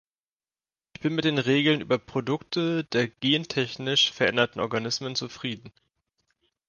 Ich bin mit den Regeln über Produkte der gentechnisch veränderten Organismen zufrieden.